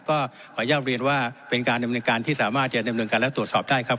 ก็ขออนุญาตเรียนว่าเป็นการดำเนินการที่สามารถจะดำเนินการและตรวจสอบได้ครับ